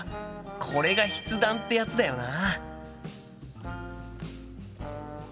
これが筆談ってやつだよな。